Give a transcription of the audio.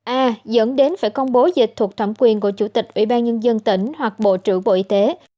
a dẫn đến phải công bố dịch thuộc thẩm quyền của chủ tịch ủy ban nhân dân tỉnh hoặc bộ trưởng bộ y tế